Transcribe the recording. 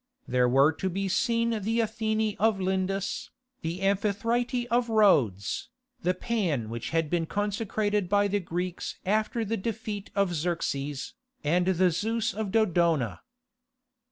There were to be seen the Athene of Lyndus, the Amphithrite of Rhodes, the Pan which had been consecrated by the Greeks after the defeat of Xerxes, and the Zeus of Dodona.